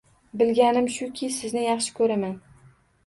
Bilganim shuki, sizni yaxshi ko`raman